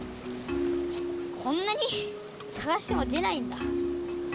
こんなに探しても出ないんだ。